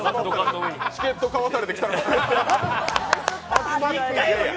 チケット買わされてきたんか？